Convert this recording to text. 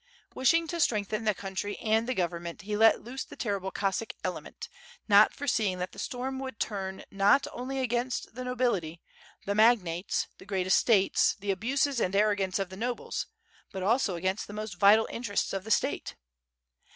Wishing to strengthen the country and the government he let loose the terrible Cossack element, not forseeing that the storm would turn not only against the nobility, the mag WITU FIRE AND iSWOKD. jgi nates, the great estates, the abuses and arrogance of the nobles, but also against the most vital interests of the State.